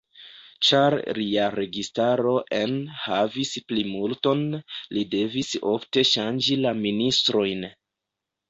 Ĉar lia registaro en havis plimulton, li devis ofte ŝanĝi la ministrojn.